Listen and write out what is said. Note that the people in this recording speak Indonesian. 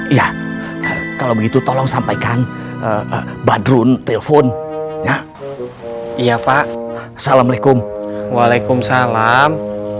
iya kalau begitu tolong sampaikan badrun telpon ya pak assalamualaikum waalaikumsalam